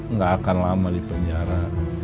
nggak akan lama di penjara